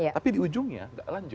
tapi di ujungnya tidak lanjut